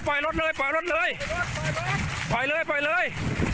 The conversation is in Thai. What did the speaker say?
ปล่อยรถเลยปล่อยรถเลยปล่อยรถปล่อยเลยปล่อยเลย